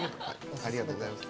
ありがとうございます。